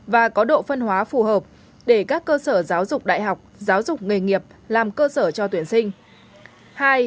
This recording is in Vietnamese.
và có độ phân hóa phù hợp để các cơ sở giáo dục đại học giáo dục nghề nghiệp làm cơ sở cho tuyển sinh